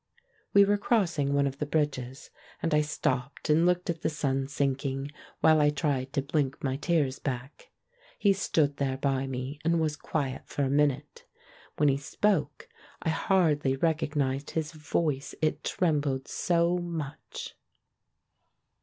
We were crossing one of the bridges, and I stopped and looked at the sun sinking, while I tried to blink my tears back. He stood there by me, and was quiet for a minute. When he spoke, I hardly recognised his voice, it trembled so much.